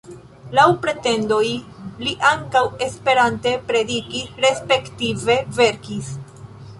Laŭ pretendoj li ankaŭ Esperante predikis, respektive verkis.